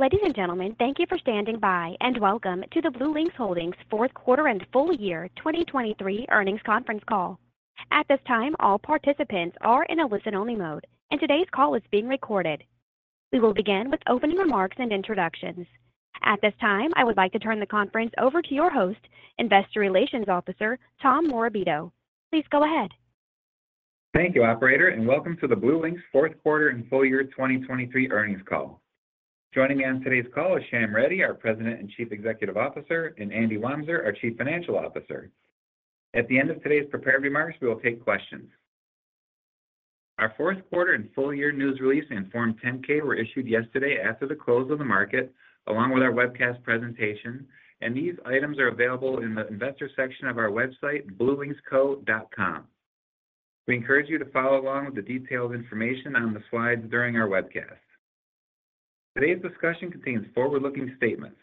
Ladies and gentlemen, thank you for standing by and welcome to the BlueLinx Holdings' Fourth Quarter and Full Year 2023 Earnings Conference Call. At this time, all participants are in a listen-only mode, and today's call is being recorded. We will begin with opening remarks and introductions. At this time, I would like to turn the conference over to your host, Investor Relations Officer Tom Morabito. Please go ahead. Thank you, operator, and welcome to the BlueLinx Fourth Quarter and Full Year 2023 Earnings Call. Joining me on today's call is Shyam Reddy, our President and Chief Executive Officer, and Andy Wamser, our Chief Financial Officer. At the end of today's prepared remarks, we will take questions. Our fourth quarter and full year news release and Form 10-K were issued yesterday after the close of the market, along with our webcast presentation, and these items are available in the investor section of our website, bluelinxco.com. We encourage you to follow along with the detailed information on the slides during our webcast. Today's discussion contains forward-looking statements.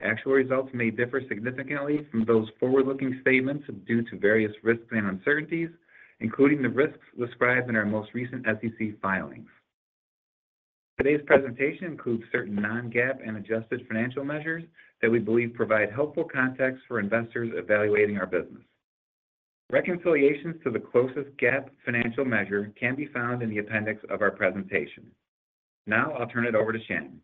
Actual results may differ significantly from those forward-looking statements due to various risk and uncertainties, including the risks described in our most recent SEC filings. Today's presentation includes certain non-GAAP and adjusted financial measures that we believe provide helpful context for investors evaluating our business. Reconciliations to the closest GAAP financial measure can be found in the appendix of our presentation. Now I'll turn it over to Shyam.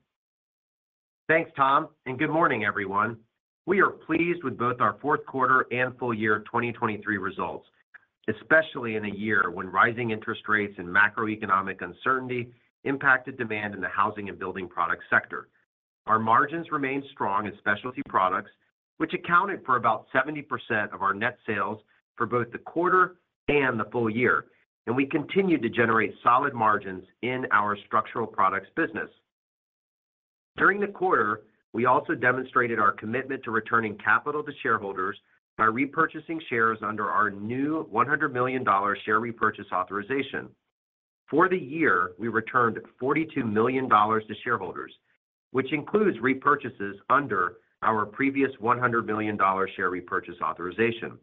Thanks, Tom, and good morning, everyone. We are pleased with both our fourth quarter and full year 2023 results, especially in a year when rising interest rates and macroeconomic uncertainty impacted demand in the housing and building product sector. Our margins remained strong in specialty products, which accounted for about 70% of our net sales for both the quarter and the full year, and we continue to generate solid margins in our structural products business. During the quarter, we also demonstrated our commitment to returning capital to shareholders by repurchasing shares under our new $100 million share repurchase authorization. For the year, we returned $42 million to shareholders, which includes repurchases under our previous $100 million share repurchase authorization.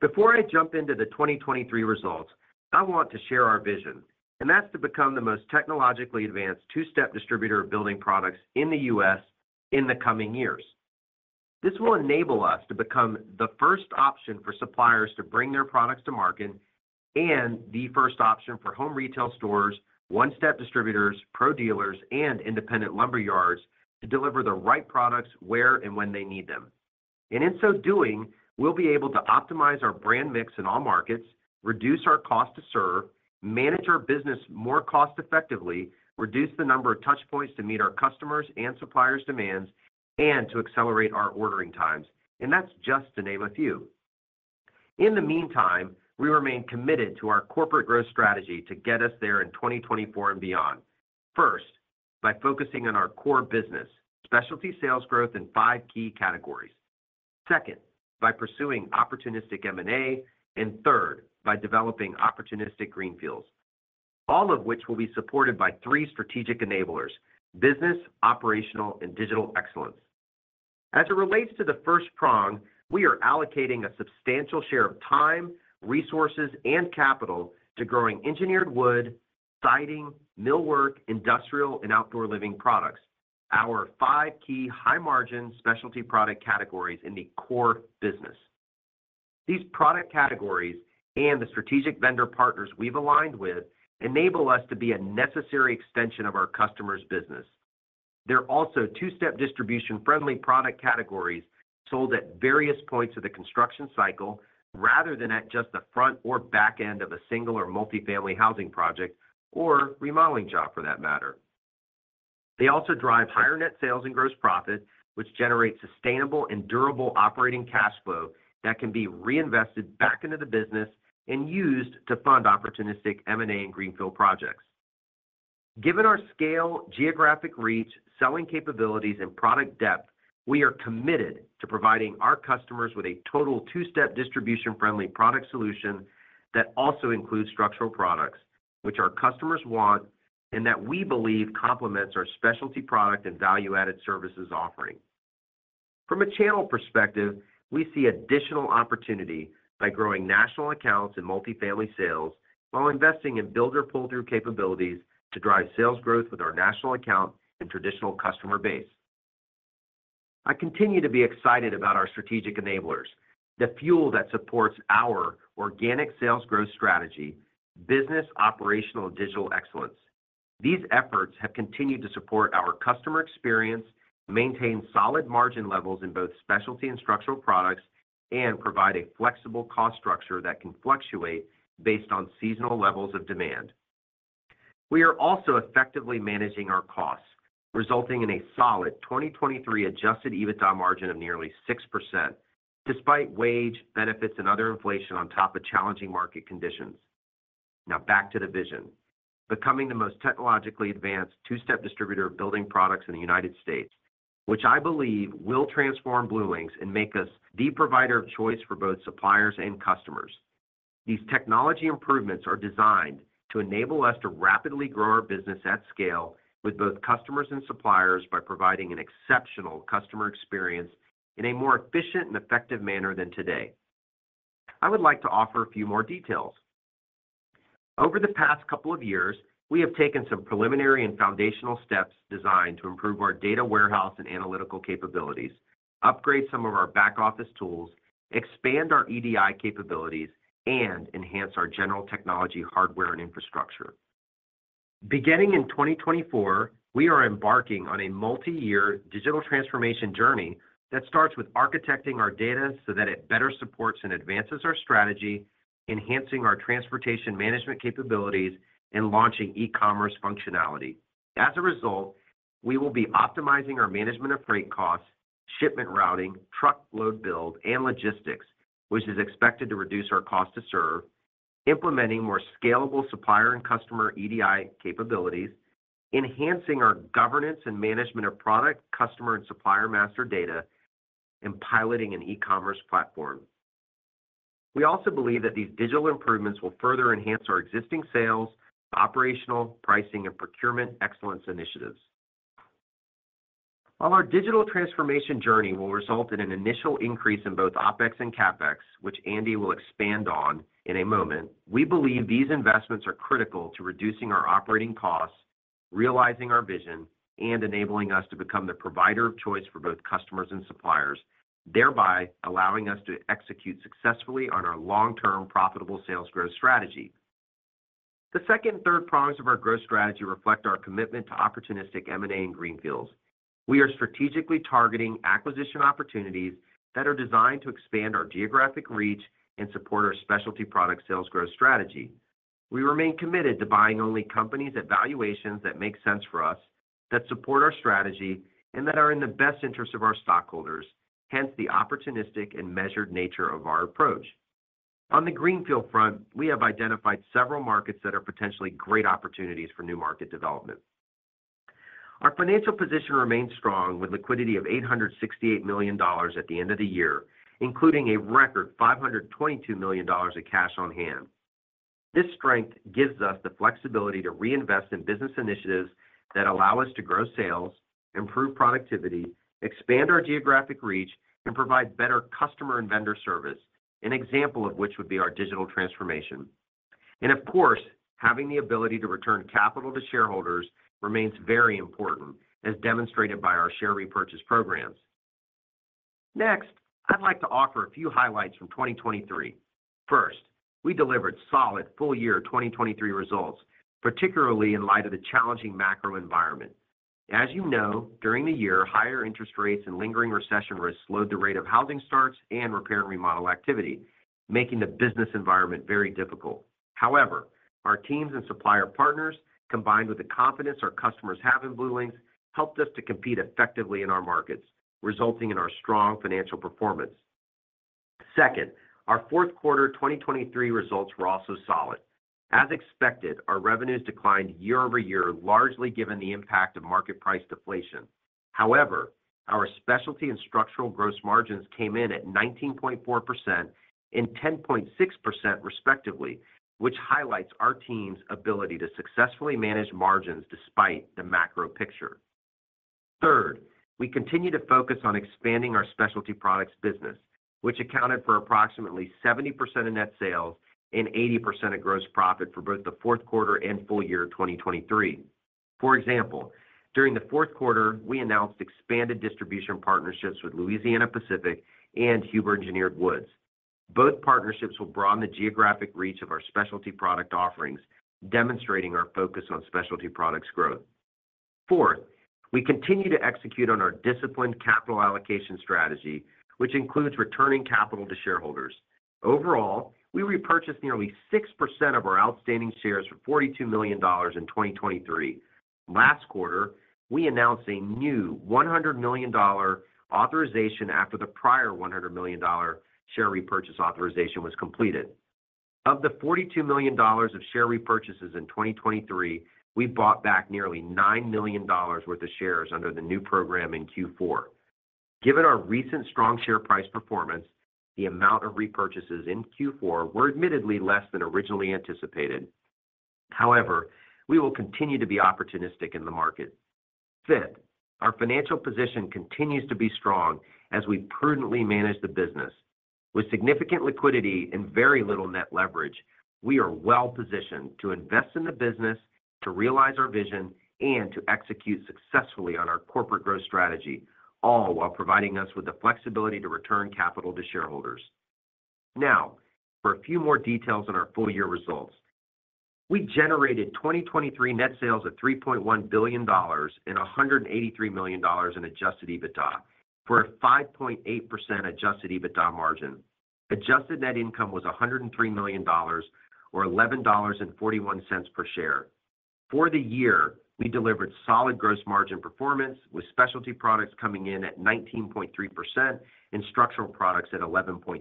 Before I jump into the 2023 results, I want to share our vision, and that's to become the most technologically advanced two-step distributor of building products in the U.S. in the coming years. This will enable us to become the first option for suppliers to bring their products to market and the first option for home retail stores, one-step distributors, pro dealers, and independent lumber yards to deliver the right products where and when they need them. In so doing, we'll be able to optimize our brand mix in all markets, reduce our cost to serve, manage our business more cost-effectively, reduce the number of touchpoints to meet our customers' and suppliers' demands, and to accelerate our ordering times. That's just to name a few. In the meantime, we remain committed to our corporate growth strategy to get us there in 2024 and beyond. First, by focusing on our core business, specialty sales growth in five key categories. Second, by pursuing opportunistic M&A. And third, by developing opportunistic greenfields, all of which will be supported by three strategic enablers: business, operational, and digital excellence. As it relates to the first prong, we are allocating a substantial share of time, resources, and capital to growing engineered wood, siding, millwork, industrial, and outdoor living products, our five key high-margin specialty product categories in the core business. These product categories and the strategic vendor partners we've aligned with enable us to be a necessary extension of our customers' business. There are also two-step distribution-friendly product categories sold at various points of the construction cycle rather than at just the front or back end of a single or multifamily housing project or remodeling job, for that matter. They also drive higher net sales and gross profit, which generate sustainable and durable operating cash flow that can be reinvested back into the business and used to fund opportunistic M&A and greenfield projects. Given our scale, geographic reach, selling capabilities, and product depth, we are committed to providing our customers with a total two-step distribution-friendly product solution that also includes structural products, which our customers want, and that we believe complements our specialty product and value-added services offering. From a channel perspective, we see additional opportunity by growing national accounts and multifamily sales while investing in builder pull-through capabilities to drive sales growth with our national account and traditional customer base. I continue to be excited about our strategic enablers, the fuel that supports our organic sales growth strategy, business, operational, and digital excellence. These efforts have continued to support our customer experience, maintain solid margin levels in both specialty and structural products, and provide a flexible cost structure that can fluctuate based on seasonal levels of demand. We are also effectively managing our costs, resulting in a solid 2023 Adjusted EBITDA margin of nearly 6% despite wage, benefits, and other inflation on top of challenging market conditions. Now back to the vision: becoming the most technologically advanced two-step distributor of building products in the United States, which I believe will transform BlueLinx and make us the provider of choice for both suppliers and customers. These technology improvements are designed to enable us to rapidly grow our business at scale with both customers and suppliers by providing an exceptional customer experience in a more efficient and effective manner than today. I would like to offer a few more details. Over the past couple of years, we have taken some preliminary and foundational steps designed to improve our data warehouse and analytical capabilities, upgrade some of our back-office tools, expand our EDI capabilities, and enhance our general technology hardware and infrastructure. Beginning in 2024, we are embarking on a multi-year digital transformation journey that starts with architecting our data so that it better supports and advances our strategy, enhancing our transportation management capabilities, and launching e-commerce functionality. As a result, we will be optimizing our management of freight costs, shipment routing, truck load build, and logistics, which is expected to reduce our cost to serve, implementing more scalable supplier and customer EDI capabilities, enhancing our governance and management of product, customer, and supplier master data, and piloting an e-commerce platform. We also believe that these digital improvements will further enhance our existing sales, operational, pricing, and procurement excellence initiatives. While our digital transformation journey will result in an initial increase in both OpEx and CapEx, which Andy will expand on in a moment, we believe these investments are critical to reducing our operating costs, realizing our vision, and enabling us to become the provider of choice for both customers and suppliers, thereby allowing us to execute successfully on our long-term profitable sales growth strategy. The second and third prongs of our growth strategy reflect our commitment to opportunistic M&A and greenfields. We are strategically targeting acquisition opportunities that are designed to expand our geographic reach and support our specialty product sales growth strategy. We remain committed to buying only companies at valuations that make sense for us, that support our strategy, and that are in the best interest of our stockholders, hence the opportunistic and measured nature of our approach. On the greenfield front, we have identified several markets that are potentially great opportunities for new market development. Our financial position remains strong with liquidity of $868 million at the end of the year, including a record $522 million of cash on hand. This strength gives us the flexibility to reinvest in business initiatives that allow us to grow sales, improve productivity, expand our geographic reach, and provide better customer and vendor service, an example of which would be our digital transformation. Of course, having the ability to return capital to shareholders remains very important, as demonstrated by our share repurchase programs. Next, I'd like to offer a few highlights from 2023. First, we delivered solid full year 2023 results, particularly in light of the challenging macro environment. As you know, during the year, higher interest rates and lingering recession risks slowed the rate of housing starts and repair and remodel activity, making the business environment very difficult. However, our teams and supplier partners, combined with the confidence our customers have in BlueLinx, helped us to compete effectively in our markets, resulting in our strong financial performance. Second, our fourth quarter 2023 results were also solid. As expected, our revenues declined year-over-year, largely given the impact of market price deflation. However, our specialty and structural gross margins came in at 19.4% and 10.6%, respectively, which highlights our team's ability to successfully manage margins despite the macro picture. Third, we continue to focus on expanding our specialty products business, which accounted for approximately 70% of net sales and 80% of gross profit for both the fourth quarter and full year 2023. For example, during the fourth quarter, we announced expanded distribution partnerships with Louisiana-Pacific and Huber Engineered Woods. Both partnerships will broaden the geographic reach of our specialty product offerings, demonstrating our focus on specialty products growth. Fourth, we continue to execute on our disciplined capital allocation strategy, which includes returning capital to shareholders. Overall, we repurchased nearly 6% of our outstanding shares for $42 million in 2023. Last quarter, we announced a new $100 million authorization after the prior $100 million share repurchase authorization was completed. Of the $42 million of share repurchases in 2023, we bought back nearly $9 million worth of shares under the new program in Q4. Given our recent strong share price performance, the amount of repurchases in Q4 were admittedly less than originally anticipated. However, we will continue to be opportunistic in the market. Fifth, our financial position continues to be strong as we prudently manage the business. With significant liquidity and very little net leverage, we are well positioned to invest in the business, to realize our vision, and to execute successfully on our corporate growth strategy, all while providing us with the flexibility to return capital to shareholders. Now, for a few more details on our full year results, we generated 2023 net sales of $3.1 billion and $183 million in adjusted EBITDA for a 5.8% adjusted EBITDA margin. Adjusted net income was $103 million or $11.41 per share. For the year, we delivered solid gross margin performance, with specialty products coming in at 19.3% and structural products at 11.2%.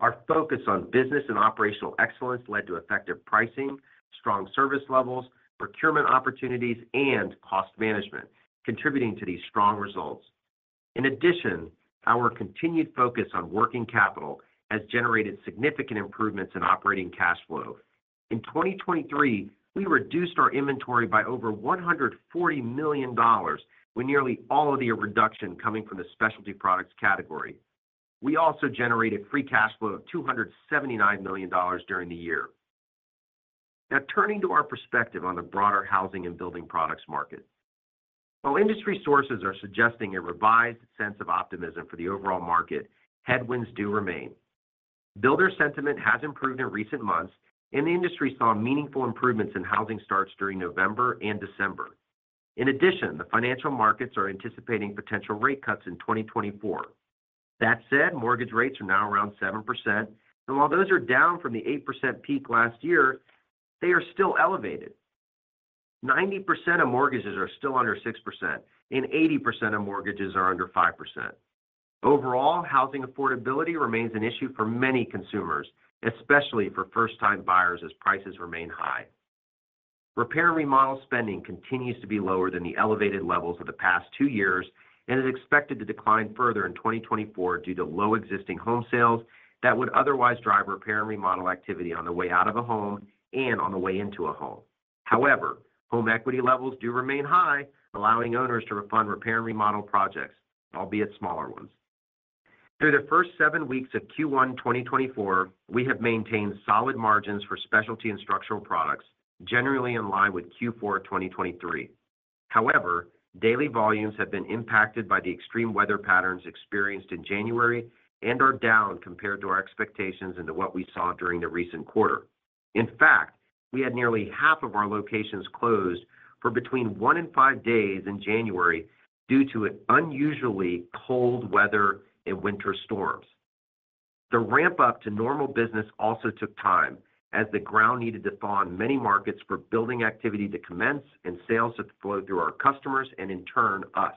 Our focus on business and operational excellence led to effective pricing, strong service levels, procurement opportunities, and cost management, contributing to these strong results. In addition, our continued focus on working capital has generated significant improvements in operating cash flow. In 2023, we reduced our inventory by over $140 million with nearly all of the reduction coming from the specialty products category. We also generated free cash flow of $279 million during the year. Now, turning to our perspective on the broader housing and building products market. While industry sources are suggesting a revised sense of optimism for the overall market, headwinds do remain. Builder sentiment has improved in recent months, and the industry saw meaningful improvements in housing starts during November and December. In addition, the financial markets are anticipating potential rate cuts in 2024. That said, mortgage rates are now around 7%, and while those are down from the 8% peak last year, they are still elevated. 90% of mortgages are still under 6%, and 80% of mortgages are under 5%. Overall, housing affordability remains an issue for many consumers, especially for first-time buyers as prices remain high. Repair and remodel spending continues to be lower than the elevated levels of the past two years, and is expected to decline further in 2024 due to low existing home sales that would otherwise drive repair and remodel activity on the way out of a home and on the way into a home. However, home equity levels do remain high, allowing owners to refund repair and remodel projects, albeit smaller ones. Through the first seven weeks of Q1 2024, we have maintained solid margins for specialty and structural products, generally in line with Q4 2023. However, daily volumes have been impacted by the extreme weather patterns experienced in January and are down compared to our expectations into what we saw during the recent quarter. In fact, we had nearly half of our locations closed for between one and five days in January due to unusually cold weather and winter storms. The ramp-up to normal business also took time as the ground needed to thaw in many markets for building activity to commence and sales to flow through our customers and, in turn, us.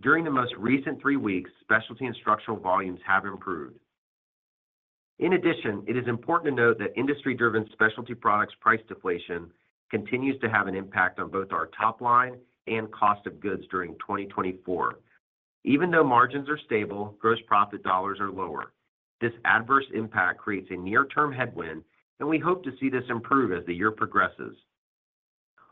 During the most recent 3 weeks, specialty and structural volumes have improved. In addition, it is important to note that industry-driven specialty products price deflation continues to have an impact on both our top line and cost of goods during 2024. Even though margins are stable, gross profit dollars are lower. This adverse impact creates a near-term headwind, and we hope to see this improve as the year progresses.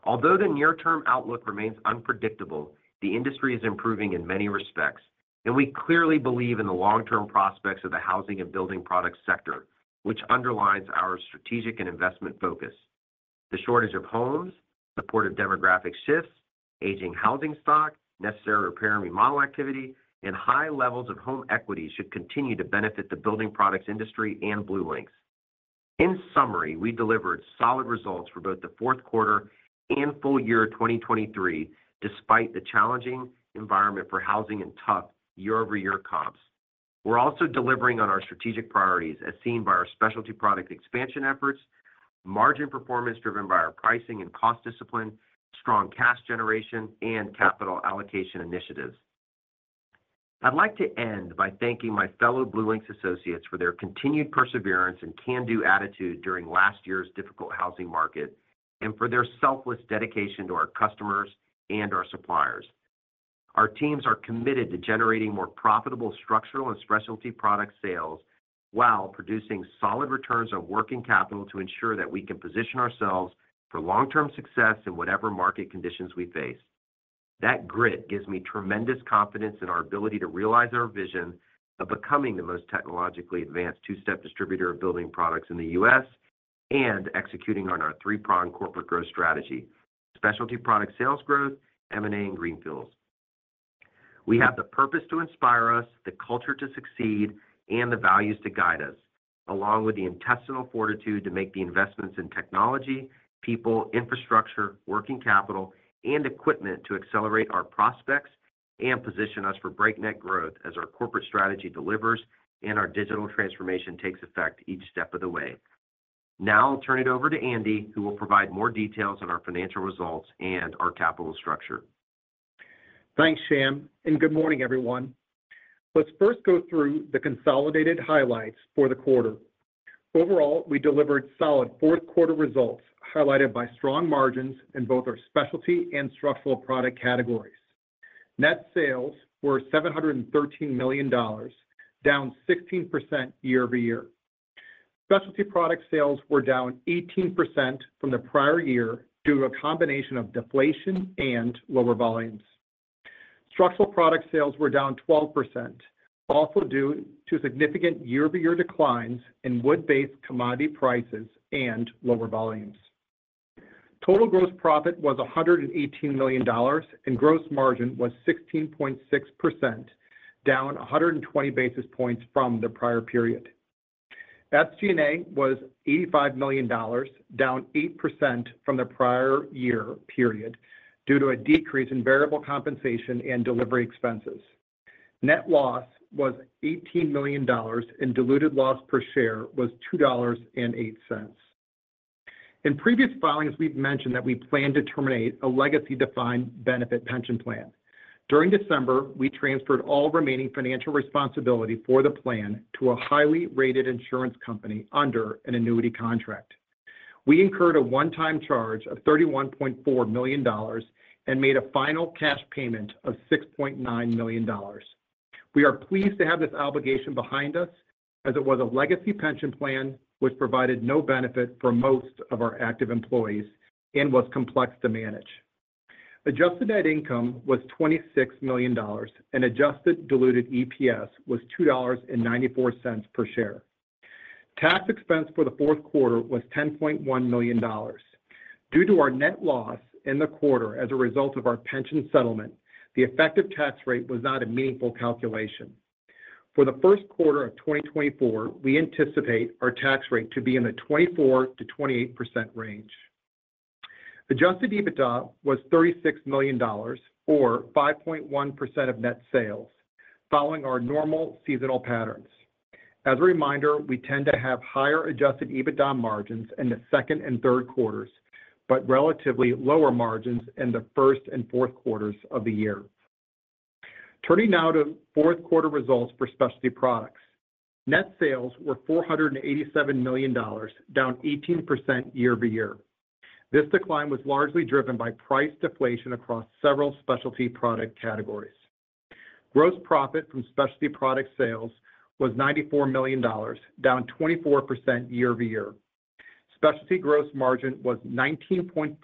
Although the near-term outlook remains unpredictable, the industry is improving in many respects, and we clearly believe in the long-term prospects of the housing and building products sector, which underlines our strategic and investment focus. The shortage of homes, supportive demographic shifts, aging housing stock, necessary repair and remodel activity, and high levels of home equity should continue to benefit the building products industry and BlueLinx. In summary, we delivered solid results for both the fourth quarter and full year 2023 despite the challenging environment for housing and tough year-over-year comps. We're also delivering on our strategic priorities as seen by our specialty product expansion efforts, margin performance driven by our pricing and cost discipline, strong cash generation, and capital allocation initiatives. I'd like to end by thanking my fellow BlueLinx associates for their continued perseverance and can-do attitude during last year's difficult housing market and for their selfless dedication to our customers and our suppliers. Our teams are committed to generating more profitable structural and specialty product sales while producing solid returns on working capital to ensure that we can position ourselves for long-term success in whatever market conditions we face. That grit gives me tremendous confidence in our ability to realize our vision of becoming the most technologically advanced two-step distributor of building products in the U.S. and executing on our three-pronged corporate growth strategy: specialty product sales growth, M&A, and greenfields. We have the purpose to inspire us, the culture to succeed, and the values to guide us, along with the intestinal fortitude to make the investments in technology, people, infrastructure, working capital, and equipment to accelerate our prospects and position us for breakneck growth as our corporate strategy delivers and our digital transformation takes effect each step of the way. Now I'll turn it over to Andy, who will provide more details on our financial results and our capital structure. Thanks, Shyam, and good morning, everyone. Let's first go through the consolidated highlights for the quarter. Overall, we delivered solid fourth quarter results highlighted by strong margins in both our specialty and structural product categories. Net sales were $713 million, down 16% year-over-year. Specialty product sales were down 18% from the prior year due to a combination of deflation and lower volumes. Structural product sales were down 12%, also due to significant year-over-year declines in wood-based commodity prices and lower volumes. Total gross profit was $118 million, and gross margin was 16.6%, down 120 basis points from the prior period. SG&A was $85 million, down 8% from the prior year period due to a decrease in variable compensation and delivery expenses. Net loss was $18 million, and diluted loss per share was $2.08. In previous filings, we've mentioned that we plan to terminate a legacy defined benefit pension plan. During December, we transferred all remaining financial responsibility for the plan to a highly rated insurance company under an annuity contract. We incurred a one-time charge of $31.4 million and made a final cash payment of $6.9 million. We are pleased to have this obligation behind us as it was a legacy pension plan which provided no benefit for most of our active employees and was complex to manage. Adjusted net income was $26 million, and adjusted diluted EPS was $2.94 per share. Tax expense for the fourth quarter was $10.1 million. Due to our net loss in the quarter as a result of our pension settlement, the effective tax rate was not a meaningful calculation. For the first quarter of 2024, we anticipate our tax rate to be in the 24%-28% range. Adjusted EBITDA was $36 million or 5.1% of net sales, following our normal seasonal patterns. As a reminder, we tend to have higher adjusted EBITDA margins in the second and third quarters, but relatively lower margins in the first and fourth quarters of the year. Turning now to fourth quarter results for specialty products. Net sales were $487 million, down 18% year-over-year. This decline was largely driven by price deflation across several specialty product categories. Gross profit from specialty product sales was $94 million, down 24% year-over-year. Specialty gross margin was 19.4%,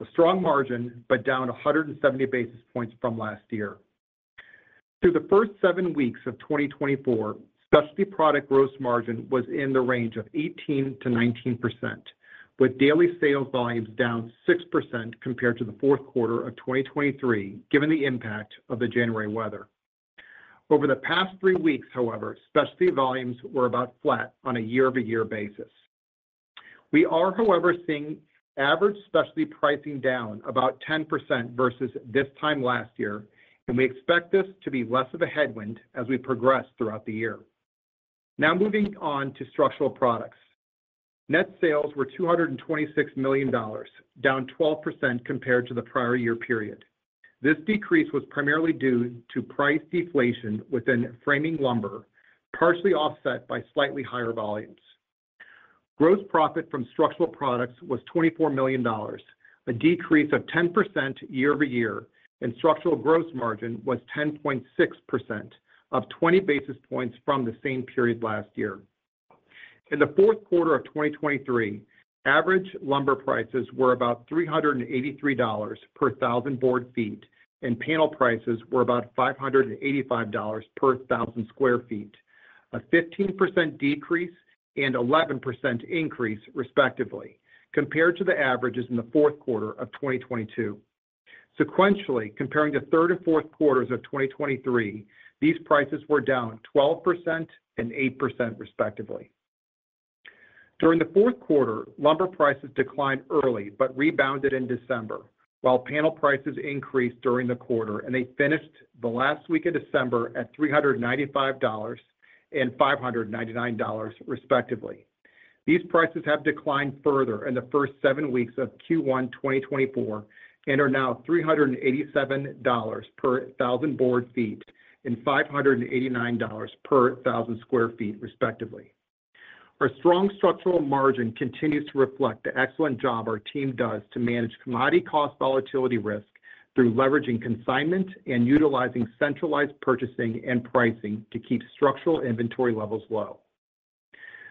a strong margin but down 170 basis points from last year. Through the first seven weeks of 2024, specialty product gross margin was in the range of 18%-19%, with daily sales volumes down 6% compared to the fourth quarter of 2023 given the impact of the January weather. Over the past three weeks, however, specialty volumes were about flat on a year-over-year basis. We are, however, seeing average specialty pricing down about 10% versus this time last year, and we expect this to be less of a headwind as we progress throughout the year. Now moving on to structural products. Net sales were $226 million, down 12% compared to the prior year period. This decrease was primarily due to price deflation within framing lumber, partially offset by slightly higher volumes. Gross profit from structural products was $24 million, a decrease of 10% year-over-year, and structural gross margin was 10.6%, up 20 basis points from the same period last year. In the fourth quarter of 2023, average lumber prices were about $383 per 1,000 board feet, and panel prices were about $585 per 1,000 sq ft, a 15% decrease and 11% increase respectively, compared to the averages in the fourth quarter of 2022. Sequentially, comparing the third and fourth quarters of 2023, these prices were down 12% and 8% respectively. During the fourth quarter, lumber prices declined early but rebounded in December, while panel prices increased during the quarter, and they finished the last week of December at $395 and $599 respectively. These prices have declined further in the first seven weeks of Q1 2024 and are now $387 per 1,000 board feet and $589 per 1,000 sq ft respectively. Our strong structural margin continues to reflect the excellent job our team does to manage commodity cost volatility risk through leveraging consignment and utilizing centralized purchasing and pricing to keep structural inventory levels low.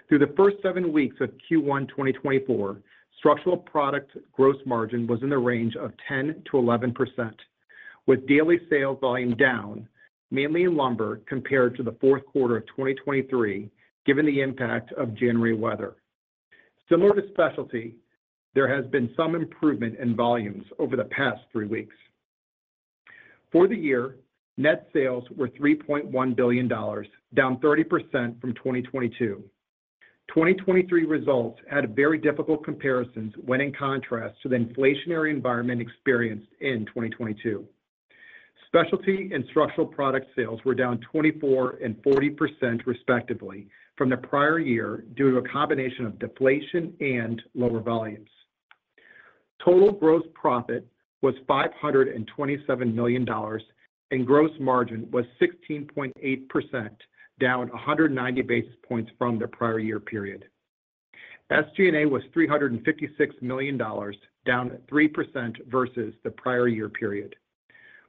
Through the first seven weeks of Q1 2024, structural product gross margin was in the range of 10%-11%, with daily sales volume down, mainly in lumber compared to the fourth quarter of 2023 given the impact of January weather. Similar to specialty, there has been some improvement in volumes over the past three weeks. For the year, net sales were $3.1 billion, down 30% from 2022. 2023 results had very difficult comparisons when in contrast to the inflationary environment experienced in 2022. Specialty and structural product sales were down 24% and 40% respectively from the prior year due to a combination of deflation and lower volumes. Total gross profit was $527 million, and gross margin was 16.8%, down 190 basis points from the prior year period. SG&A was $356 million, down 3% versus the prior year period.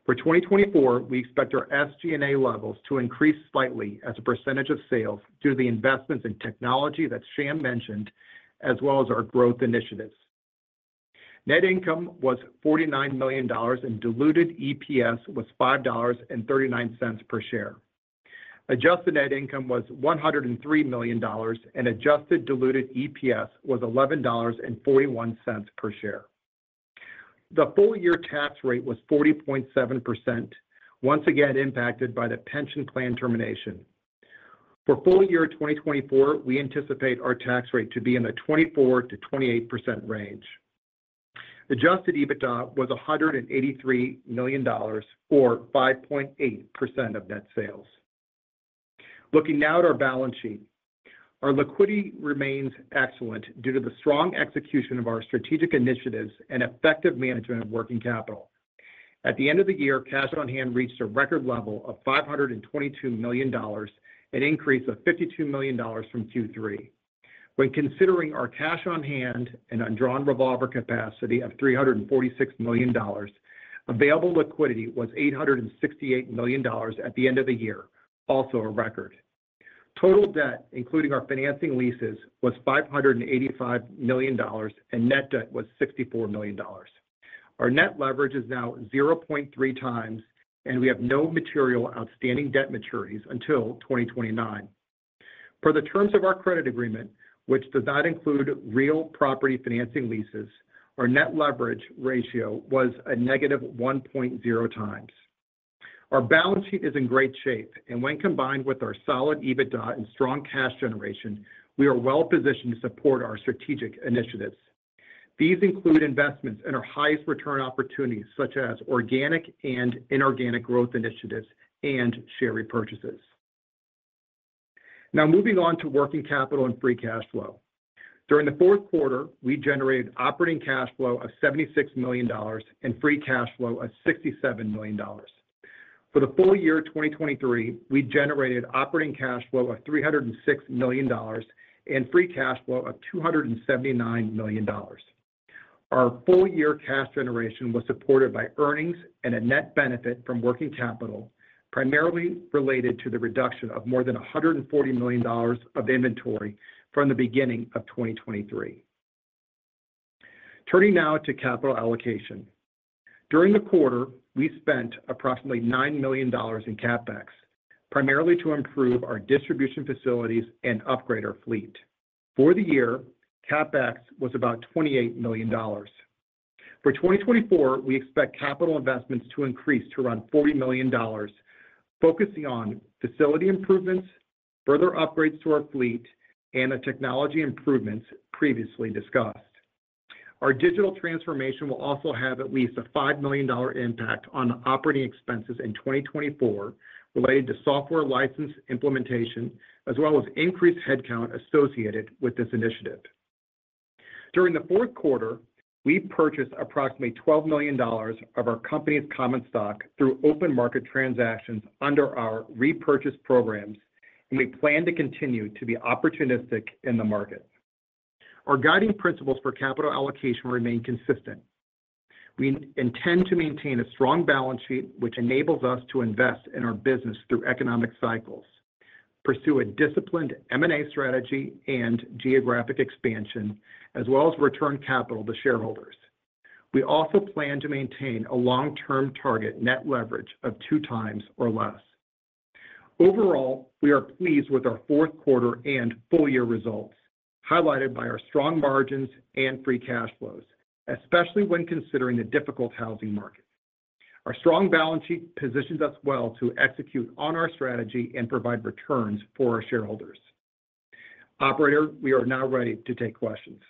For 2024, we expect our SG&A levels to increase slightly as a percentage of sales due to the investments in technology that Shyam mentioned, as well as our growth initiatives. Net income was $49 million, and diluted EPS was $5.39 per share. Adjusted net income was $103 million, and adjusted diluted EPS was $11.41 per share. The full-year tax rate was 40.7%, once again impacted by the pension plan termination. For full year 2024, we anticipate our tax rate to be in the 24%-28% range. Adjusted EBITDA was $183 million or 5.8% of net sales. Looking now at our balance sheet, our liquidity remains excellent due to the strong execution of our strategic initiatives and effective management of working capital. At the end of the year, cash on hand reached a record level of $522 million, an increase of $52 million from Q3. When considering our cash on hand and undrawn revolver capacity of $346 million, available liquidity was $868 million at the end of the year, also a record. Total debt, including our financing leases, was $585 million, and net debt was $64 million. Our net leverage is now 0.3x, and we have no material outstanding debt maturities until 2029. Per the terms of our credit agreement, which does not include real property financing leases, our net leverage ratio was a -1.0x. Our balance sheet is in great shape, and when combined with our solid EBITDA and strong cash generation, we are well positioned to support our strategic initiatives. These include investments in our highest return opportunities such as organic and inorganic growth initiatives and share repurchases. Now moving on to working capital and free cash flow. During the fourth quarter, we generated operating cash flow of $76 million and free cash flow of $67 million. For the full year 2023, we generated operating cash flow of $306 million and free cash flow of $279 million. Our full-year cash generation was supported by earnings and a net benefit from working capital, primarily related to the reduction of more than $140 million of inventory from the beginning of 2023. Turning now to capital allocation. During the quarter, we spent approximately $9 million in CapEx, primarily to improve our distribution facilities and upgrade our fleet. For the year, CapEx was about $28 million. For 2024, we expect capital investments to increase to around $40 million, focusing on facility improvements, further upgrades to our fleet, and the technology improvements previously discussed. Our digital transformation will also have at least a $5 million impact on operating expenses in 2024 related to software license implementation, as well as increased headcount associated with this initiative. During the fourth quarter, we purchased approximately $12 million of our company's common stock through open market transactions under our repurchase programs, and we plan to continue to be opportunistic in the market. Our guiding principles for capital allocation remain consistent. We intend to maintain a strong balance sheet, which enables us to invest in our business through economic cycles, pursue a disciplined M&A strategy and geographic expansion, as well as return capital to shareholders. We also plan to maintain a long-term target net leverage of 2x or less. Overall, we are pleased with our fourth quarter and full-year results, highlighted by our strong margins and free cash flows, especially when considering the difficult housing market. Our strong balance sheet positions us well to execute on our strategy and provide returns for our shareholders. Operator, we are now ready to take questions.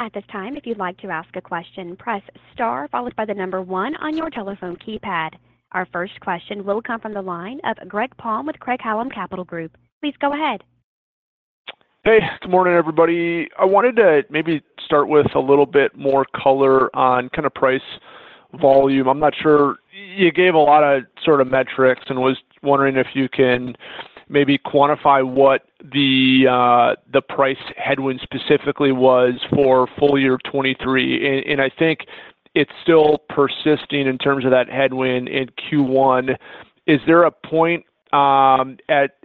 At this time, if you'd like to ask a question, press star followed by the number one on your telephone keypad. Our first question will come from the line of Greg Palm with Craig-Hallum Capital Group. Please go ahead. Hey, good morning, everybody. I wanted to maybe start with a little bit more color on kind of price volume. I'm not sure you gave a lot of sort of metrics, and was wondering if you can maybe quantify what the price headwind specifically was for full year 2023. And I think it's still persisting in terms of that headwind in Q1. Is there a point at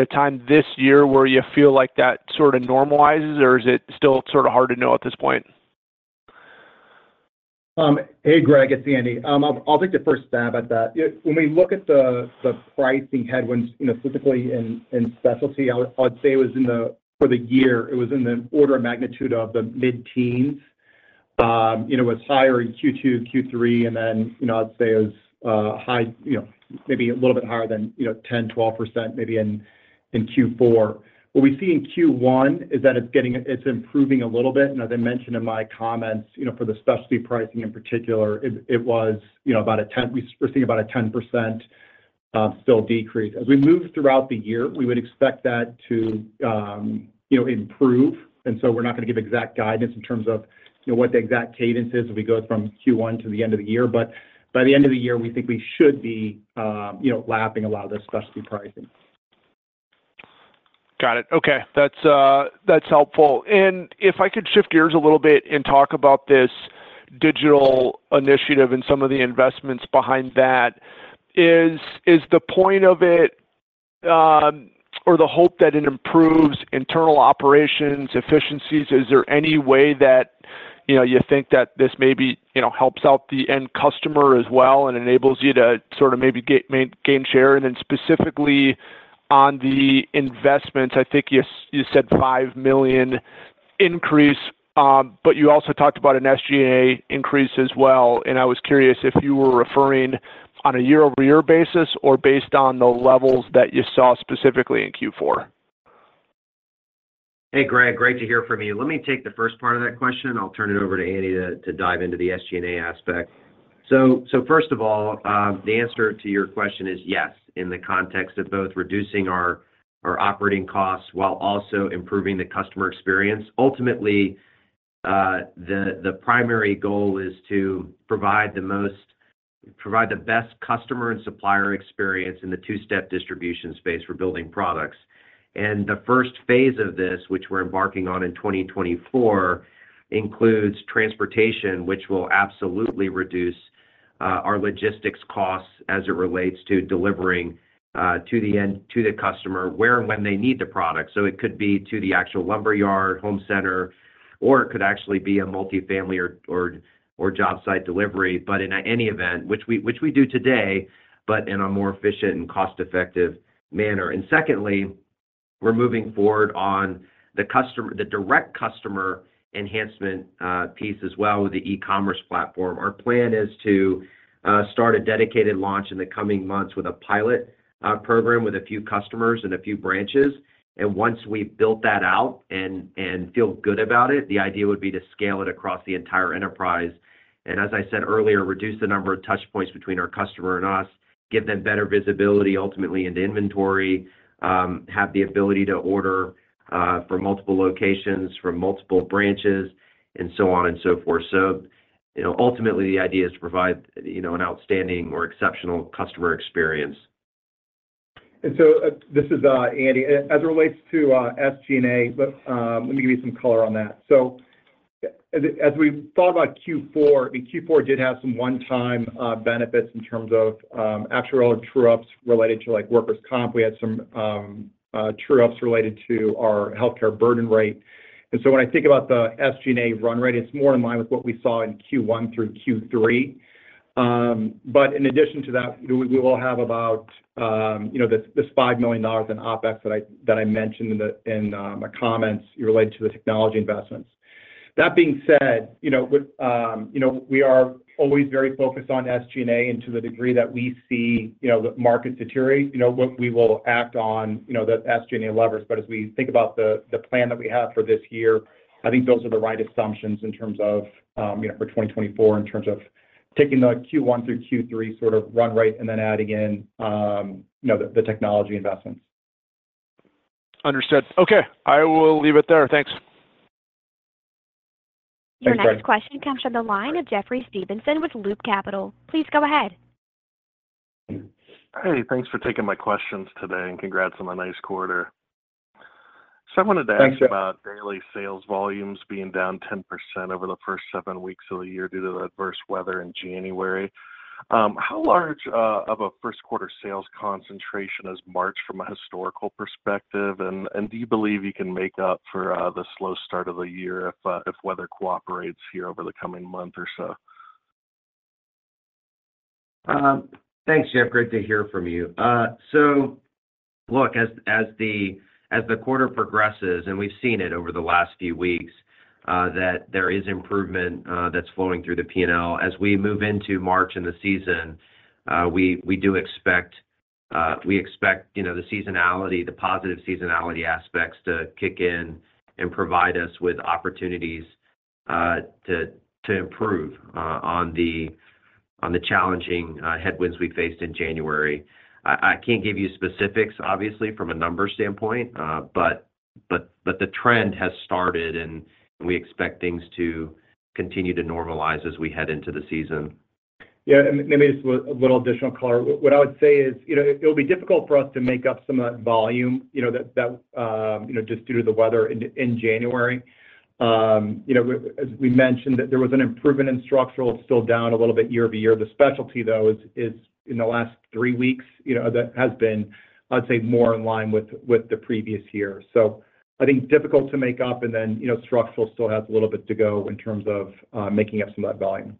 a time this year where you feel like that sort of normalizes, or is it still sort of hard to know at this point? Hey, Greg. It's Andy. I'll take the first stab at that. When we look at the pricing headwinds specifically in specialty, I'd say it was in the for the year, it was in the order of magnitude of the mid-teens. It was higher in Q2, Q3, and then I'd say it was high, maybe a little bit higher than 10%-12%, maybe in Q4. What we see in Q1 is that it's improving a little bit. And as I mentioned in my comments, for the specialty pricing in particular, it was about 10%; we're seeing about 10% still decrease. As we move throughout the year, we would expect that to improve. And so we're not going to give exact guidance in terms of what the exact cadence is as we go from Q1 to the end of the year. By the end of the year, we think we should be lapping a lot of this specialty pricing. Got it. Okay. That's helpful. And if I could shift gears a little bit and talk about this digital initiative and some of the investments behind that, is the point of it or the hope that it improves internal operations, efficiencies? Is there any way that you think that this maybe helps out the end customer as well and enables you to sort of maybe gain share? And then specifically on the investments, I think you said $5 million increase, but you also talked about an SG&A increase as well. And I was curious if you were referring on a year-over-year basis or based on the levels that you saw specifically in Q4. Hey, Greg. Great to hear from you. Let me take the first part of that question. I'll turn it over to Andy to dive into the SG&A aspect. So first of all, the answer to your question is yes, in the context of both reducing our operating costs while also improving the customer experience. Ultimately, the primary goal is to provide the best customer and supplier experience in the two-step distribution space for building products. And the first phase of this, which we're embarking on in 2024, includes transportation, which will absolutely reduce our logistics costs as it relates to delivering to the customer where and when they need the product. So it could be to the actual lumber yard, home center, or it could actually be a multifamily or job site delivery, but in any event, which we do today, but in a more efficient and cost-effective manner. Secondly, we're moving forward on the direct customer enhancement piece as well with the e-commerce platform. Our plan is to start a dedicated launch in the coming months with a pilot program with a few customers and a few branches. And once we've built that out and feel good about it, the idea would be to scale it across the entire enterprise. And as I said earlier, reduce the number of touchpoints between our customer and us, give them better visibility, ultimately, into inventory, have the ability to order from multiple locations, from multiple branches, and so on and so forth. So ultimately, the idea is to provide an outstanding or exceptional customer experience. This is Andy. As it relates to SG&A, let me give you some color on that. As we thought about Q4, I mean, Q4 did have some one-time benefits in terms of actual true-ups related to workers' comp. We had some true-ups related to our healthcare burden rate. When I think about the SG&A run rate, it's more in line with what we saw in Q1 through Q3. But in addition to that, we will have about this $5 million in OpEx that I mentioned in my comments related to the technology investments. That being said, we are always very focused on SG&A to the degree that we see the market deteriorate, we will act on that SG&A levers. But as we think about the plan that we have for this year, I think those are the right assumptions in terms of for 2024, in terms of taking the Q1 through Q3 sort of run rate and then adding in the technology investments. Understood. Okay. I will leave it there. Thanks. Your next question comes from the line of Jeffrey Stevenson with Loop Capital. Please go ahead. Hey, thanks for taking my questions today and congrats on a nice quarter. I wanted to ask about daily sales volumes being down 10% over the first seven weeks of the year due to the adverse weather in January. How large of a first-quarter sales concentration is March from a historical perspective? And do you believe you can make up for the slow start of the year if weather cooperates here over the coming month or so? Thanks, Jeff. Great to hear from you. Look, as the quarter progresses, and we've seen it over the last few weeks that there is improvement that's flowing through the P&L, as we move into March and the season, we do expect the seasonality, the positive seasonality aspects to kick in and provide us with opportunities to improve on the challenging headwinds we faced in January. I can't give you specifics, obviously, from a number standpoint, but the trend has started, and we expect things to continue to normalize as we head into the season. Yeah. Maybe just a little additional color. What I would say is it'll be difficult for us to make up some of that volume just due to the weather in January. As we mentioned, there was an improvement in structural, still down a little bit year-over-year. The specialty, though, in the last three weeks, that has been, I'd say, more in line with the previous year. So I think difficult to make up, and then structural still has a little bit to go in terms of making up some of that volume.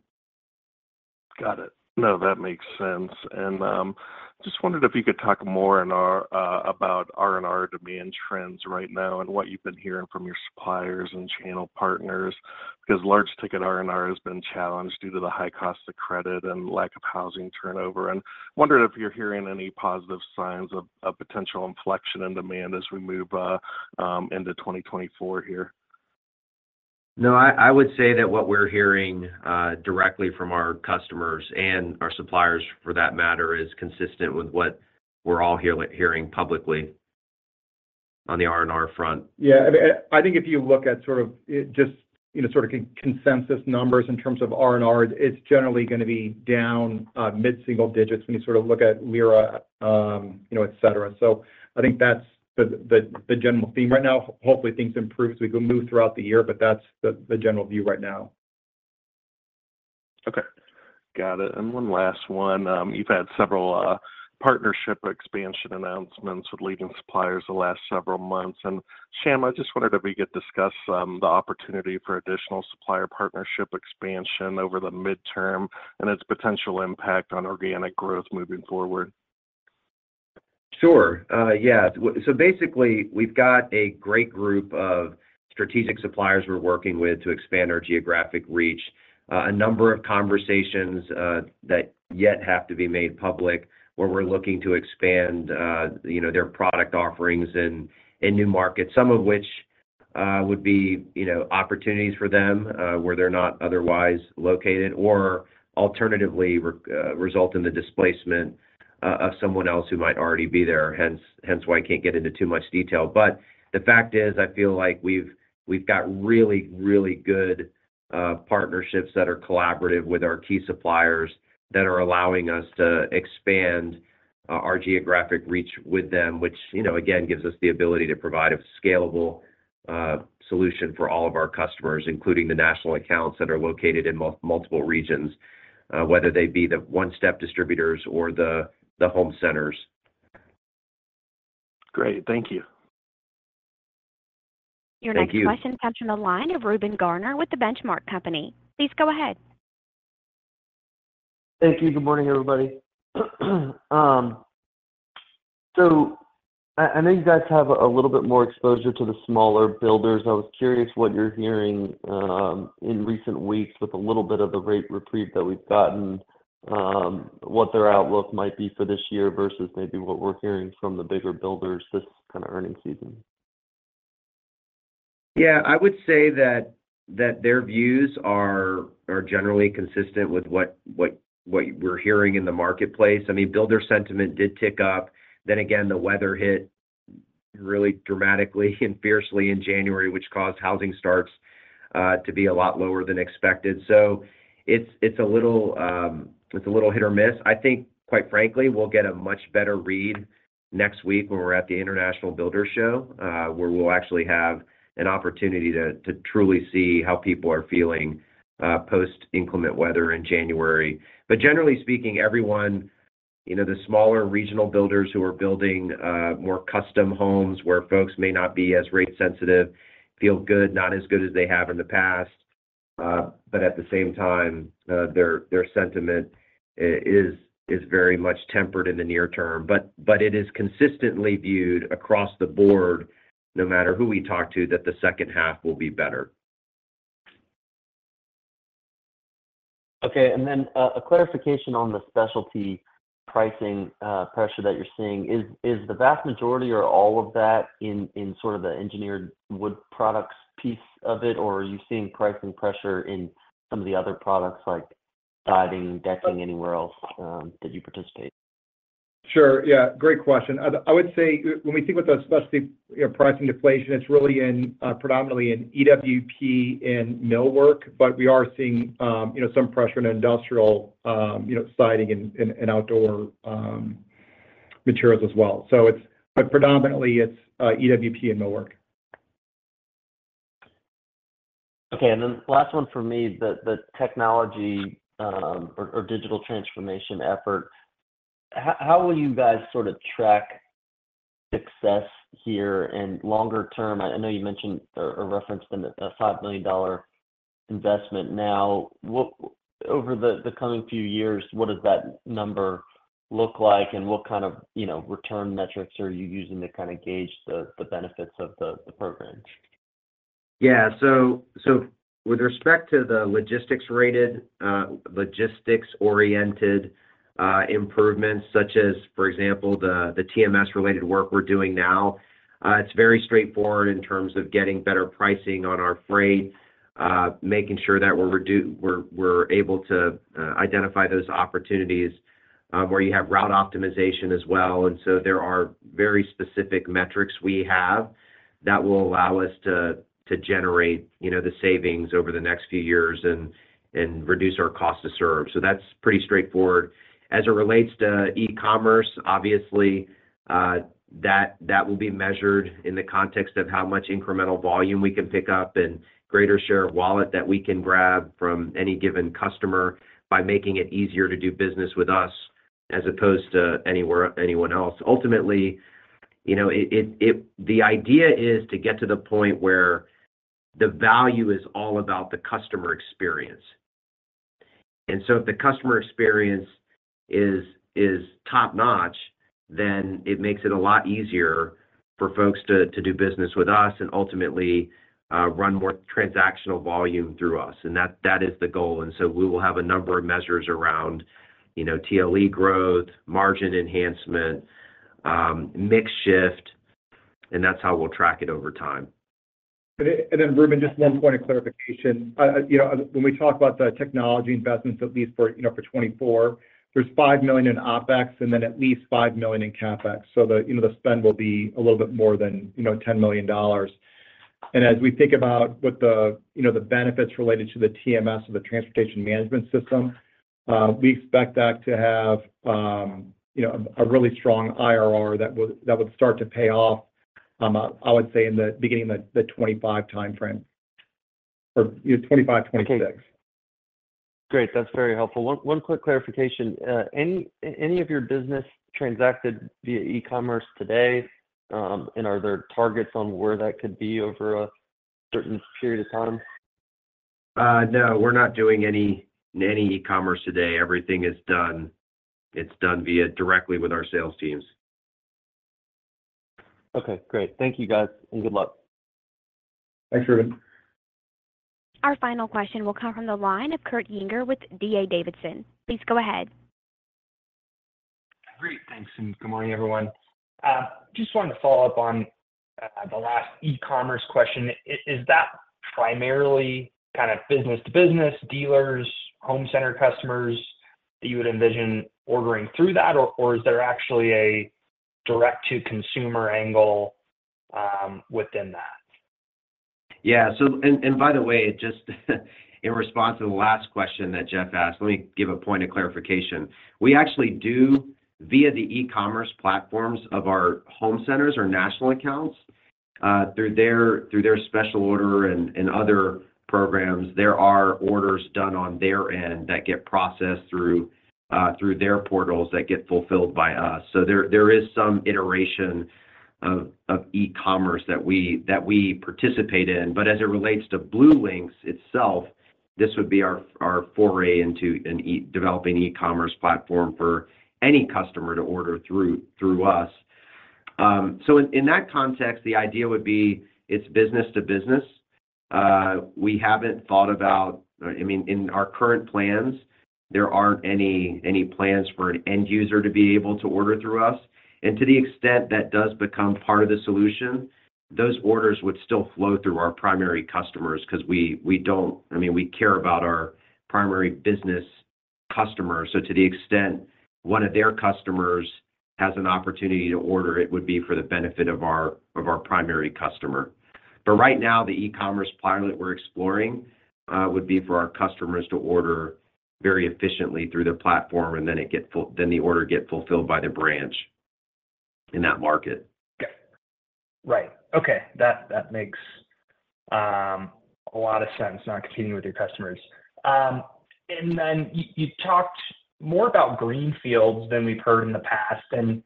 Got it. No, that makes sense. And I just wondered if you could talk more about R&R demand trends right now and what you've been hearing from your suppliers and channel partners because large-ticket R&R has been challenged due to the high cost of credit and lack of housing turnover. And wondered if you're hearing any positive signs of potential inflection in demand as we move into 2024 here. No, I would say that what we're hearing directly from our customers and our suppliers, for that matter, is consistent with what we're all hearing publicly on the R&R front. Yeah. I mean, I think if you look at sort of just sort of consensus numbers in terms of R&R, it's generally going to be down mid-single digits when you sort of look at LIRA, etc. So I think that's the general theme right now. Hopefully, things improve as we go move throughout the year, but that's the general view right now. Okay. Got it. And one last one. You've had several partnership expansion announcements with leading suppliers the last several months. And Shyam, I just wondered if we could discuss the opportunity for additional supplier partnership expansion over the midterm and its potential impact on organic growth moving forward. Sure. Yeah. So basically, we've got a great group of strategic suppliers we're working with to expand our geographic reach, a number of conversations that yet have to be made public where we're looking to expand their product offerings in new markets, some of which would be opportunities for them where they're not otherwise located or alternatively result in the displacement of someone else who might already be there, hence why I can't get into too much detail. But the fact is, I feel like we've got really, really good partnerships that are collaborative with our key suppliers that are allowing us to expand our geographic reach with them, which, again, gives us the ability to provide a scalable solution for all of our customers, including the national accounts that are located in multiple regions, whether they be the one-step distributors or the home centers. Great. Thank you. Your next question comes from the line of Reuben Garner with The Benchmark Company. Please go ahead. Thank you. Good morning, everybody. So I know you guys have a little bit more exposure to the smaller builders. I was curious what you're hearing in recent weeks with a little bit of the rate reprieve that we've gotten, what their outlook might be for this year versus maybe what we're hearing from the bigger builders this kind of earnings season. Yeah. I would say that their views are generally consistent with what we're hearing in the marketplace. I mean, builder sentiment did tick up. Then again, the weather hit really dramatically and fiercely in January, which caused housing starts to be a lot lower than expected. So it's a little hit or miss. I think, quite frankly, we'll get a much better read next week when we're at the International Builders' Show, where we'll actually have an opportunity to truly see how people are feeling post-inclement weather in January. But generally speaking, everyone, the smaller regional builders who are building more custom homes where folks may not be as rate-sensitive, feel good, not as good as they have in the past. But at the same time, their sentiment is very much tempered in the near term. It is consistently viewed across the board, no matter who we talk to, that the second half will be better. Okay. And then a clarification on the specialty pricing pressure that you're seeing. Is the vast majority or all of that in sort of the engineered wood products piece of it, or are you seeing pricing pressure in some of the other products like siding, decking, anywhere else that you participate? Sure. Yeah. Great question. I would say when we think about the specialty pricing deflation, it's really predominantly in EWP and millwork, but we are seeing some pressure in industrial siding and outdoor materials as well. But predominantly, it's EWP and millwork. Okay. And then the last one for me, the technology or digital transformation effort, how will you guys sort of track success here in longer term? I know you mentioned or referenced a $5 million investment. Now, over the coming few years, what does that number look like, and what kind of return metrics are you using to kind of gauge the benefits of the program? Yeah. So with respect to the logistics-related, logistics-oriented improvements, such as, for example, the TMS-related work we're doing now, it's very straightforward in terms of getting better pricing on our freight, making sure that we're able to identify those opportunities where you have route optimization as well. And so there are very specific metrics we have that will allow us to generate the savings over the next few years and reduce our cost to serve. So that's pretty straightforward. As it relates to e-commerce, obviously, that will be measured in the context of how much incremental volume we can pick up and greater share of wallet that we can grab from any given customer by making it easier to do business with us as opposed to anyone else. Ultimately, the idea is to get to the point where the value is all about the customer experience. And so if the customer experience is top-notch, then it makes it a lot easier for folks to do business with us and ultimately run more transactional volume through us. And that is the goal. And so we will have a number of measures around [TLE] growth, margin enhancement, mix shift, and that's how we'll track it over time. And then, Reuben, just one point of clarification. When we talk about the technology investments, at least for 2024, there's $5 million in OpEx and then at least $5 million in CapEx. So the spend will be a little bit more than $10 million. And as we think about what the benefits related to the TMS or the transportation management system, we expect that to have a really strong IRR that would start to pay off, I would say, in the beginning of the 2025 timeframe or 2025, 2026. Great. That's very helpful. One quick clarification. Any of your business transacted via e-commerce today, and are there targets on where that could be over a certain period of time? No, we're not doing any e-commerce today. Everything is done. It's done directly with our sales teams. Okay. Great. Thank you, guys, and good luck. Thanks, Ruben. Our final question will come from the line of Kurt Yinger with D.A. Davidson. Please go ahead. Great. Thanks. Good morning, everyone. Just wanted to follow up on the last e-commerce question. Is that primarily kind of business-to-business, dealers, home center customers that you would envision ordering through that, or is there actually a direct-to-consumer angle within that? Yeah. And by the way, just in response to the last question that Jeff asked, let me give a point of clarification. We actually do, via the e-commerce platforms of our home centers or national accounts, through their special order and other programs, there are orders done on their end that get processed through their portals that get fulfilled by us. So there is some iteration of e-commerce that we participate in. But as it relates to BlueLinx itself, this would be our foray into developing an e-commerce platform for any customer to order through us. So in that context, the idea would be it's business-to-business. We haven't thought about I mean, in our current plans, there aren't any plans for an end user to be able to order through us. And to the extent that does become part of the solution, those orders would still flow through our primary customers because we don't, I mean, we care about our primary business customers. So to the extent one of their customers has an opportunity to order, it would be for the benefit of our primary customer. But right now, the e-commerce pilot we're exploring would be for our customers to order very efficiently through the platform, and then the order get fulfilled by the branch in that market. Okay. Right. Okay. That makes a lot of sense now, competing with your customers. And then you talked more about greenfields than we've heard in the past. And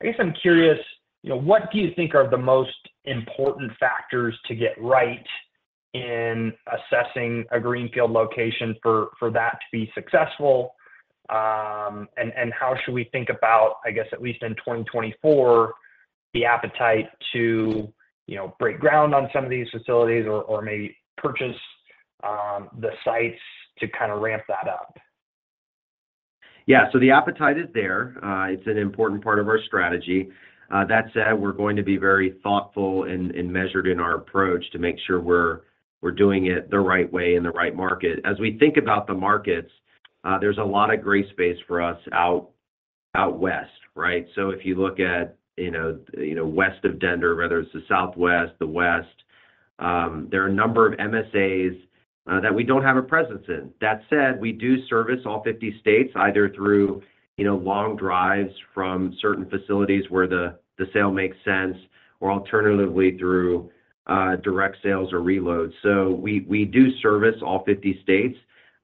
I guess I'm curious, what do you think are the most important factors to get right in assessing a greenfield location for that to be successful? And how should we think about, I guess, at least in 2024, the appetite to break ground on some of these facilities or maybe purchase the sites to kind of ramp that up? Yeah. So the appetite is there. It's an important part of our strategy. That said, we're going to be very thoughtful and measured in our approach to make sure we're doing it the right way in the right market. As we think about the markets, there's a lot of gray space for us out west, right? So if you look at west of Denver, whether it's the southwest, the west, there are a number of MSAs that we don't have a presence in. That said, we do service all 50 states either through long drives from certain facilities where the sale makes sense or alternatively through direct sales or reloads. So we do service all 50 states,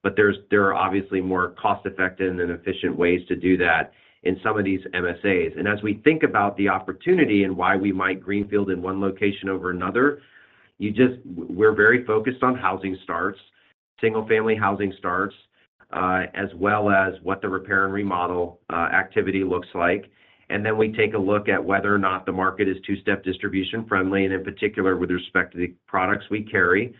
but there are obviously more cost-effective and efficient ways to do that in some of these MSAs. As we think about the opportunity and why we might greenfield in one location over another, we're very focused on housing starts, single-family housing starts, as well as what the repair and remodel activity looks like. Then we take a look at whether or not the market is two-step distribution-friendly, and in particular, with respect to the products we carry.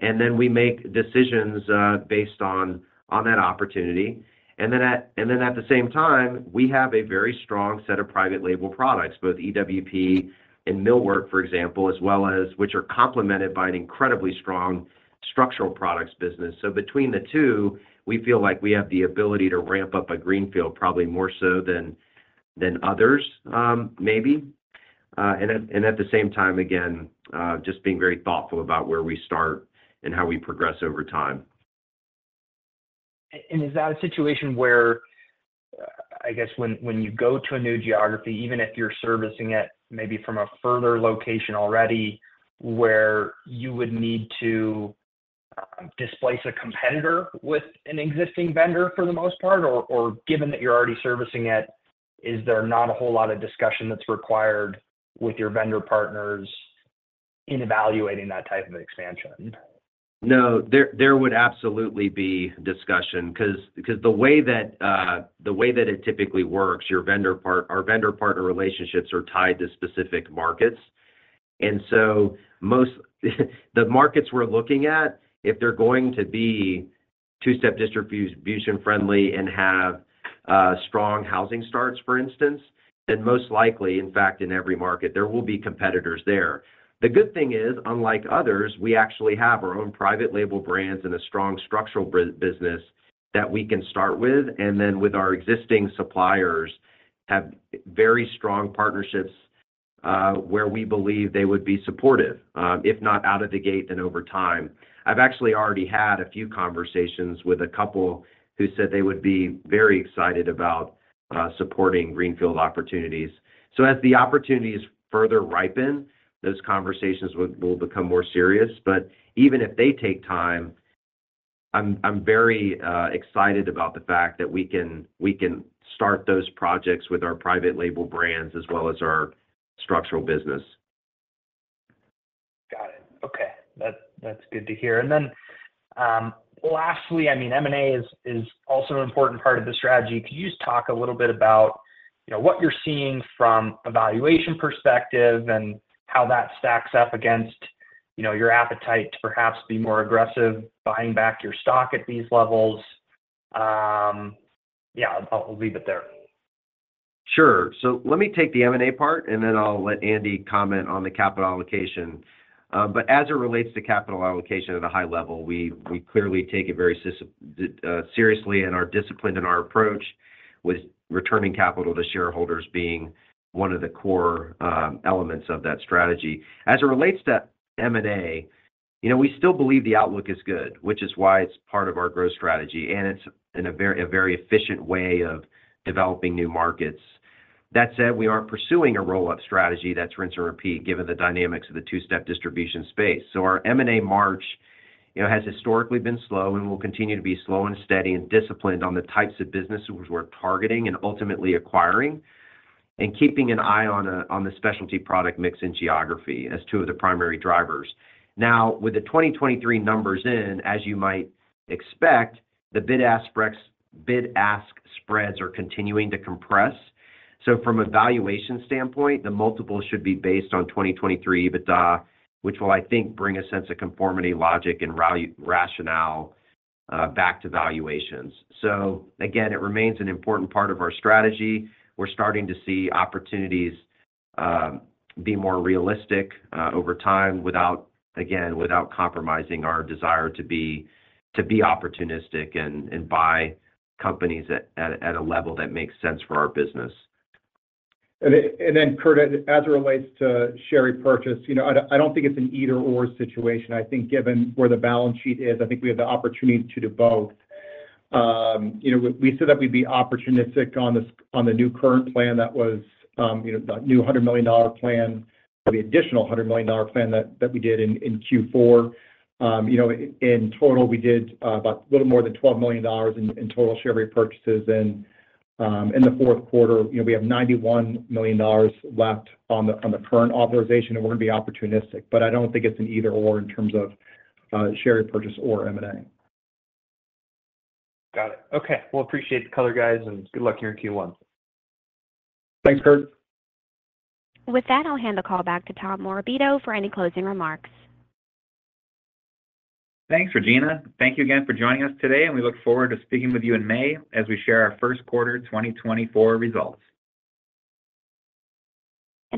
Then we make decisions based on that opportunity. Then, at the same time, we have a very strong set of private-label products, both EWP and millwork, for example, as well, which are complemented by an incredibly strong structural products business. So between the two, we feel like we have the ability to ramp up a greenfield probably more so than others, maybe. At the same time, again, just being very thoughtful about where we start and how we progress over time. Is that a situation where, I guess, when you go to a new geography, even if you're servicing it maybe from a further location already, where you would need to displace a competitor with an existing vendor for the most part? Or given that you're already servicing it, is there not a whole lot of discussion that's required with your vendor partners in evaluating that type of expansion? No, there would absolutely be discussion because the way that it typically works, our vendor-partner relationships are tied to specific markets. And so the markets we're looking at, if they're going to be two-step distribution-friendly and have strong housing starts, for instance, then most likely, in fact, in every market, there will be competitors there. The good thing is, unlike others, we actually have our own private-label brands and a strong structural business that we can start with and then with our existing suppliers have very strong partnerships where we believe they would be supportive, if not out of the gate, then over time. I've actually already had a few conversations with a couple who said they would be very excited about supporting greenfield opportunities. So as the opportunities further ripen, those conversations will become more serious. But even if they take time, I'm very excited about the fact that we can start those projects with our private-label brands as well as our structural business. Got it. Okay. That's good to hear. And then lastly, I mean, M&A is also an important part of the strategy. Could you just talk a little bit about what you're seeing from a valuation perspective and how that stacks up against your appetite to perhaps be more aggressive, buying back your stock at these levels? Yeah, I'll leave it there. Sure. So let me take the M&A part, and then I'll let Andy comment on the capital allocation. But as it relates to capital allocation at a high level, we clearly take it very seriously and are disciplined in our approach with returning capital to shareholders being one of the core elements of that strategy. As it relates to M&A, we still believe the outlook is good, which is why it's part of our growth strategy, and it's a very efficient way of developing new markets. That said, we aren't pursuing a roll-up strategy that's rinse and repeat given the dynamics of the two-step distribution space. So our M&A march has historically been slow and will continue to be slow and steady and disciplined on the types of businesses we're targeting and ultimately acquiring and keeping an eye on the specialty product mix in geography as two of the primary drivers. Now, with the 2023 numbers in, as you might expect, the bid-ask spreads are continuing to compress. So from a valuation standpoint, the multiples should be based on 2023 EBITDA, which will, I think, bring a sense of conformity, logic, and rationale back to valuations. So again, it remains an important part of our strategy. We're starting to see opportunities be more realistic over time, again, without compromising our desire to be opportunistic and buy companies at a level that makes sense for our business. Then, Kurt, as it relates to share repurchase, I don't think it's an either/or situation. I think given where the balance sheet is, I think we have the opportunity to do both. We said that we'd be opportunistic on the new current plan that was the new $100 million plan, the additional $100 million plan that we did in Q4. In total, we did about a little more than $12 million in total share repurchases. In the fourth quarter, we have $91 million left on the current authorization, and we're going to be opportunistic. I don't think it's an either/or in terms of share repurchase or M&A. Got it. Okay. Well, appreciate the color, guys, and good luck here in Q1. Thanks, Kurt. With that, I'll hand the call back to Tom Morabito for any closing remarks. Thanks, Regina. Thank you again for joining us today, and we look forward to speaking with you in May as we share our first quarter 2024 results.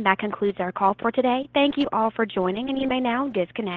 That concludes our call for today. Thank you all for joining, and you may now disconnect.